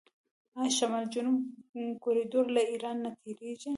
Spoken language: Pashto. آیا شمال جنوب کوریډور له ایران نه تیریږي؟